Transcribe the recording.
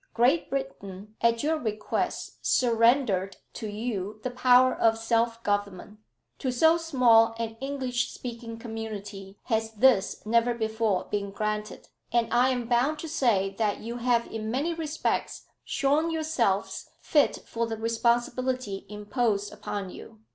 Great Britain at your request surrendered to you the power of self government. To so small an English speaking community has this never before been granted. And I am bound to say that you have in many respects shown yourselves fit for the responsibility imposed upon you.